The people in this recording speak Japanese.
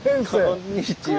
こんにちは。